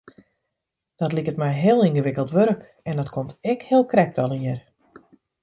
Dat liket my heel yngewikkeld wurk en dat komt ek heel krekt allegear.